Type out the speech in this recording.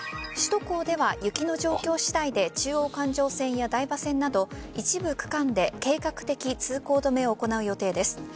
首都高では雪の状況次第で中央環状線や台場線など一部区間で計画的通行止めを行う予定です。